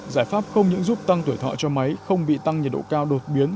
giải pháp không những giúp tăng tuổi thọ cho máy không bị tăng nhiệt độ cao đột biến